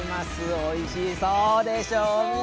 おいしそうでしょう？